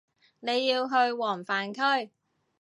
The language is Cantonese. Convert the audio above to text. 你要去黃泛區